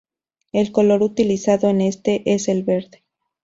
El color utilizado en este es el verde.